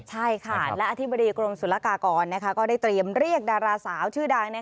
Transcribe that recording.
ใช่ค่ะและอธิบดีกรมศุลกากรก็ได้เตรียมเรียกดาราสาวชื่อดัง